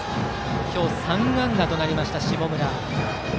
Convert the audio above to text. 今日３安打となりました下村。